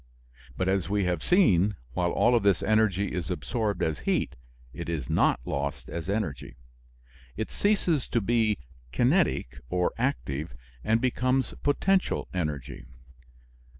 But, as we have seen, while all of this energy is absorbed as heat, it is not lost as energy. It ceases to be kinetic or active and becomes potential energy.